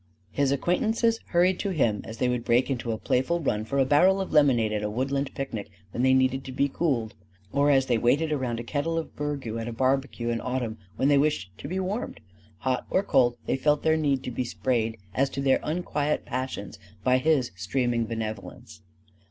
His acquaintances hurried to him as they would break into a playful run for a barrel of lemonade at a woodland picnic when they needed to be cooled; or as they waited around a kettle of burgroo at a barbecue in autumn when they wished to be warmed. Hot or cold, they felt their need to be sprayed as to their unquiet passions by his streaming benevolence.